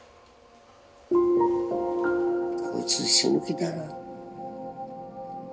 「こいつ死ぬ気だな」。